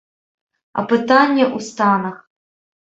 А пытанне ў станах.